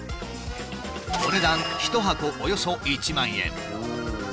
お値段１箱およそ１万円。